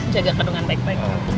jaga jaga dengan baik baik